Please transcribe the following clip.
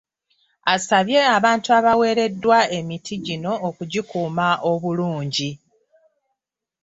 Asabye abantu abaweereddwa emiti gino okugikuuma obulungi.